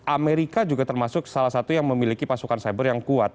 amerika juga termasuk salah satu yang memiliki pasukan cyber yang kuat